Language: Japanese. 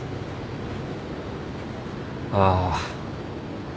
ああ。